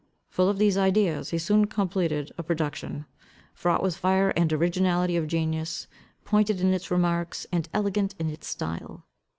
Full of these ideas, he soon completed a production, fraught with the fire and originality of genius, pointed in its remarks, and elegant in its style.